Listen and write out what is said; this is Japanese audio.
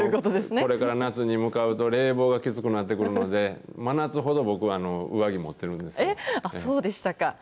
これから夏に向かうと、冷房がきつくなってくるので、真夏ほど、僕は上着持ってるんです。